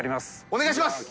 お願いします。